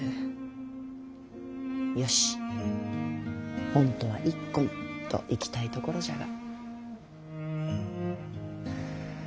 よし本当は一献といきたいところじゃが。